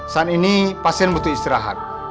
saat ini pasien butuh istirahat